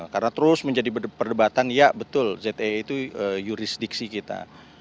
karena terus menjadi perdebatan ya betul zee itu jurisdiksi kita